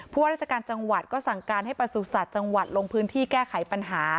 ว่าราชการจังหวัดก็สั่งการให้ประสุทธิ์จังหวัดลงพื้นที่แก้ไขปัญหา